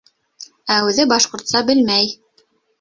Ә үҙе башҡортса белмәй.